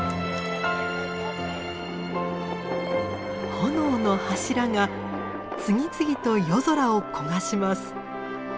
炎の柱が次々と夜空を焦がします。